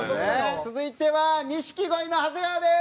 続いては錦鯉の長谷川です！